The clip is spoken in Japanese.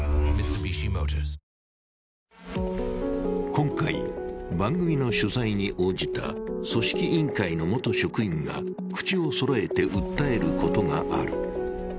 今回、番組の取材に応じた組織委員会の元職員が口をそろえて訴えることがある。